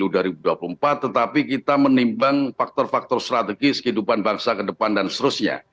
dari dua ribu dua puluh empat tetapi kita menimbang faktor faktor strategis kehidupan bangsa ke depan dan seterusnya